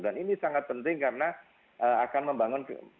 dan ini sangat penting karena akan membangun